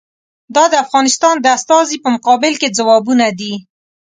دا د افغانستان د استازي په مقابل کې ځوابونه دي.